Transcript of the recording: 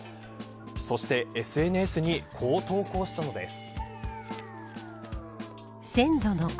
そして、ＳＮＳにこう投稿したのです。